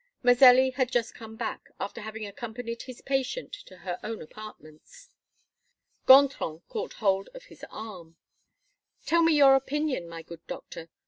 Mazelli had just come back, after having accompanied his patient to her own apartments. Gontran caught hold of his arm: "Tell me your opinion, my good doctor.